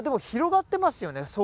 広がってますよね